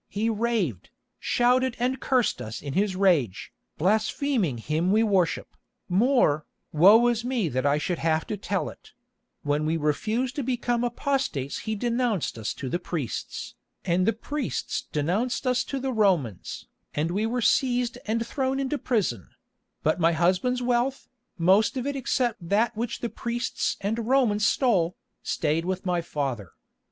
He raved, shouted and cursed us in his rage, blaspheming Him we worship. More, woe is me that I should have to tell it: When we refused to become apostates he denounced us to the priests, and the priests denounced us to the Romans, and we were seized and thrown into prison; but my husband's wealth, most of it except that which the priests and Romans stole, stayed with my father.